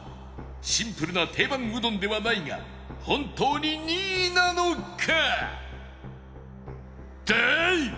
シンプルな定番うどんではないが本当に２位なのか？